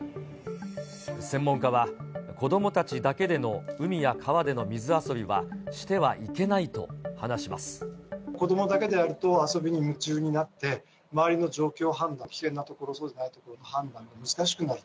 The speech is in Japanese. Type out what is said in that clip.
専門家は、子どもたちだけでの海や川での水遊びはしてはいけない子どもだけであると、遊びに夢中になって、周りの状況判断、危険な所、そうでない所の判断が難しくなる。